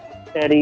tapi memang dari